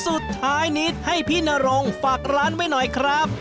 สุดท้ายนิดให้พี่นรงฝากร้านไว้หน่อยครับ